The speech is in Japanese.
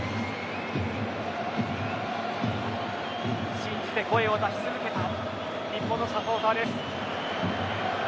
信じて声を出し続けた日本のサポーターです。